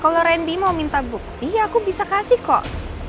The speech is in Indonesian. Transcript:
kalau randy mau minta bukti aku bisa kasih kok